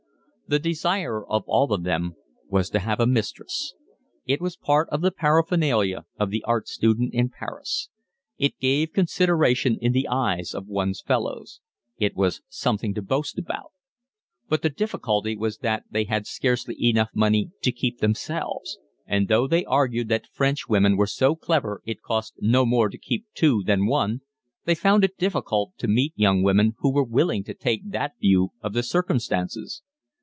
The desire of all of them was to have a mistress. It was part of the paraphernalia of the art student in Paris. It gave consideration in the eyes of one's fellows. It was something to boast about. But the difficulty was that they had scarcely enough money to keep themselves, and though they argued that French women were so clever it cost no more to keep two then one, they found it difficult to meet young women who were willing to take that view of the circumstances.